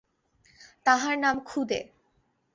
তাহার নাম খুদে।